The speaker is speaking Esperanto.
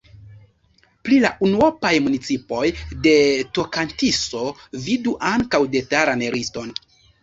Pri la unuopaj municipoj de Tokantinso vidu ankaŭ detalan liston.